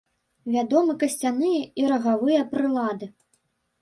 Вядомы касцяныя і рагавыя прылады.